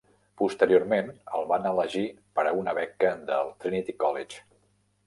Posteriorment, el van elegir per a una beca del Trinity College.